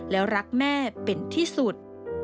แล้วรักแม่เป็นที่สุด